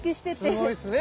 すごいですね。